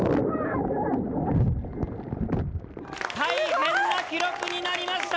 大変な記録になりました！